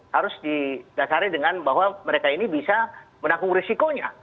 harus didasari dengan bahwa mereka ini bisa menanggung risikonya